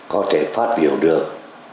có thể phát biểu được